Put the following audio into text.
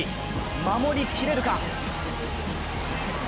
守りきれるか？